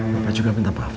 bapak juga minta maaf ya